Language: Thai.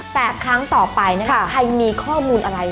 แต่ครั้งต่อไปนะคะใครมีข้อมูลอะไร